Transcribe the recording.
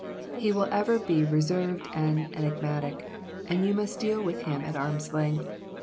He will ever be 'reserved and enigmatic,' and you must deal with him at arm's length.